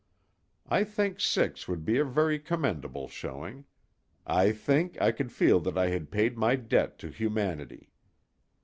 I think six would be a very commendable showing. I think I could feel that I had paid my debt to humanity.